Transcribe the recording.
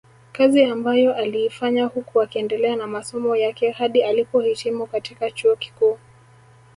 Kazi ambayo aliifanya huku akiendelea na masomo yake hadi alipohitimu katika chuo kikuu